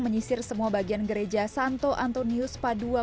menyisir semua bagian gereja santo antonius padua